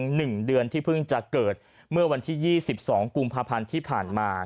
หนึ่งเดือนที่เพิ่งจะเกิดเมื่อวันที่๒๒กุมภาพันธ์ที่ผ่านมา